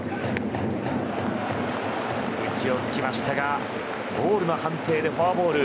内を突きましたがボールの判定でフォアボール。